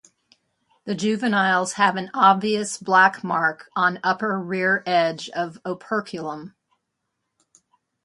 The juveniles have an obvious black mark on upper rear edge of operculum.